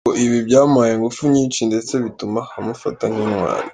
Ngo ibi byamuhaye ingufu nyinshi, ndetse bituma amufata nk’intwari.